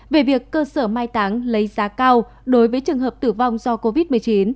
về việc cơ sở mai táng lấy giá cao đối với trường hợp tử vong do covid một mươi chín